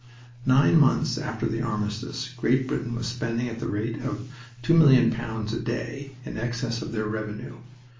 Nine months after the armistice Great Britain was spending at the rate of £2,000,000 a day in excess of her revenue.